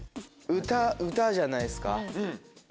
歌歌じゃないですか。